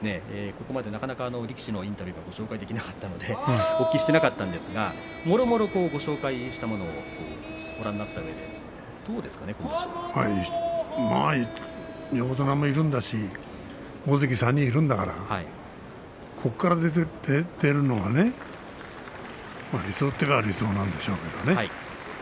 ここまでなかなか力士のインタビューがあってご紹介できなかったのでお聞きしていませんでしたがもろもろご紹介した中でご覧になった中で横綱もいるんだし大関３人がいるんだからここから出てくるのが理想といえば理想なんでしょうけれどね。